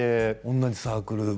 同じサークルで。